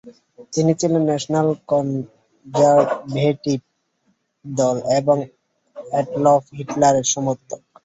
তিনি ছিলেন national conservative দল এবং এডলফ হিটলারের সমর্থক।